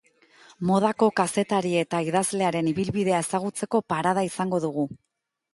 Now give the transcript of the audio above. Modako kazetari eta idazlearen ibilbidea ezagutzeko parada izango dugu.